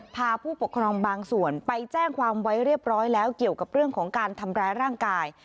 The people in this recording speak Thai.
พาผู้ปกครองบางส่วนไปแจ้งความไว้เรียบร้อยแล้วเกี่ยวกับเรื่องของการทำร้ายร่างกาย